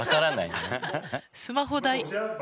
スマホ台。